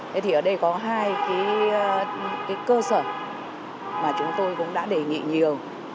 thế thì ở đây có hai cái cơ sở mà chúng tôi cũng đã đề nghị nhiều